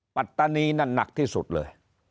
ปัตตานีนั่นหนักที่สุดเลย